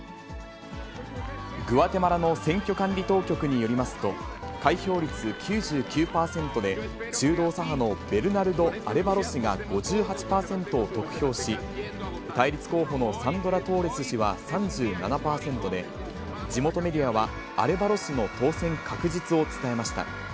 グアテマラの選挙管理当局によりますと、開票率９９％で、中道左派のベルナルド・アレバロ氏が５８％を得票し、対立候補のサンドラ・トーレス氏は３７％で、地元メディアは、アレバロ氏の当選確実を伝えました。